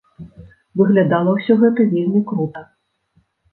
Выглядала ўсё гэта вельмі крута.